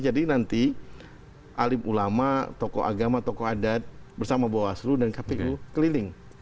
jadi nanti alim ulama tokoh agama tokoh adat bersama bawah aslu dan kpku keliling